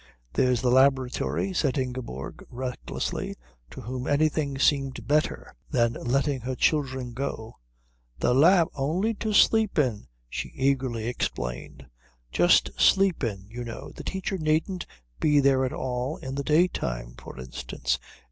"There's the laboratory," said Ingeborg recklessly, to whom anything seemed better than letting her children go. "The lab ?" "Only to sleep in," she eagerly explained, "just sleep in, you know. The teacher needn't be there at all in the daytime, for instance."